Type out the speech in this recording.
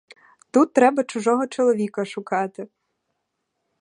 Тут треба чужого чоловіка шукати.